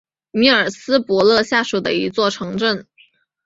米尔斯伯勒下属的一座城镇。